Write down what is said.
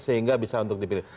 sehingga bisa untuk dipilih